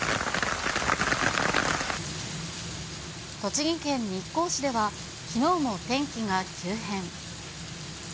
栃木県日光市では、きのうも天気が急変。